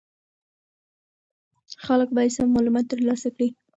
خلک باید سم معلومات ترلاسه کړي.